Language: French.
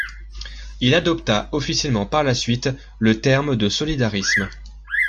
Il adopta officiellement par la suite le terme de solidarisme.